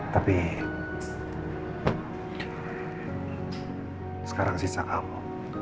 tapi sekarang sisa kamu